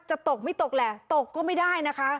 ตกไม่ตกแหละตกก็ไม่ได้นะคะ